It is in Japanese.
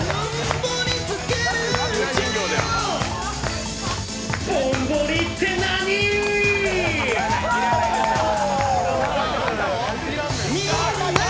ぼんぼりって何。